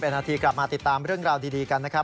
นาทีกลับมาติดตามเรื่องราวดีกันนะครับ